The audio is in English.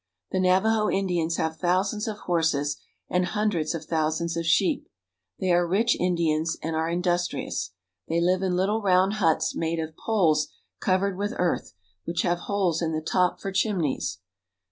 The Navajo Indians have thousands of horses, and hun dreds of thousands of sheep. They are rich Indians, and are industrious. They live in little round huts made of poles covered with earth, which have holes in the top for chimneys.